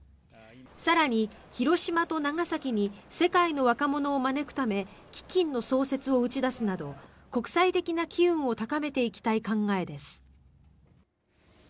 更に、広島と長崎に世界の若者を招くため基金の創設を打ち出すなど国際的な機運を高めていきたい考えです。